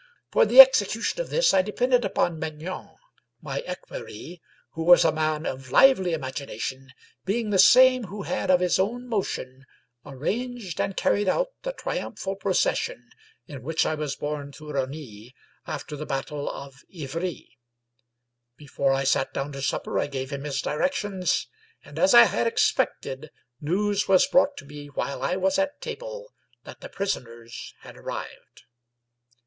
For the execution of this I depended upon Maignan, my equerry, who was a man of lively imagina tion, being the same who had of his own motion arranged and carried out the triumphal procession, in which I was borne to Rosny after the battle of Ivry. Before I sat down to supper I gave him his directions ; and as I had expected, news was brought to me while I was at table that the prisoners had arrived.